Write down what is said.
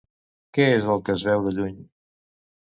Què és el que es veu de lluny?